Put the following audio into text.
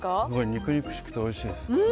肉々しくて、おいしいです。